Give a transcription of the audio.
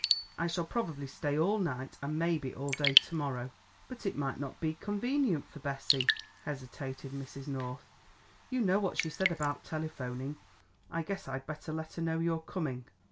I shall probably stay all night, and maybe all day to morrow." "But it might not be convenient for Bessie," hesitated Mrs. North, "you know what she said about telephoning; I guess I'd better let her know you're coming."